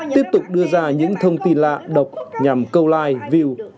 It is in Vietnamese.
tiếp tục đưa ra những thông tin lạ độc nhằm câu like view